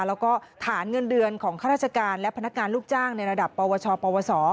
แล้วก็ฐานเงินเดือนของข้าราชการและพนักงานลูกจ้างในระดับปวชปวส